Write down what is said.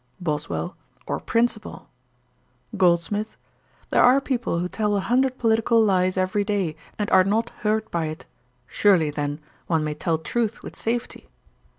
BOSWELL. 'Or principle.' GOLDSMITH. 'There are people who tell a hundred political lies every day, and are not hurt by it. Surely, then, one may tell truth with safety.'